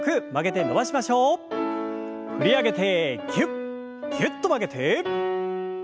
振り上げてぎゅっぎゅっと曲げて。